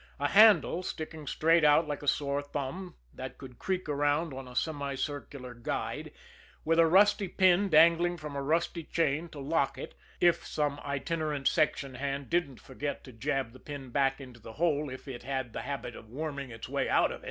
A handle sticking straight out like a sore thumb that could creak around on a semi circular guide, with a rusty pin dangling from a rusty chain to lock it if some itinerant section hand didn't forget to jab the pin back into the hole it had the habit of worming its way out of!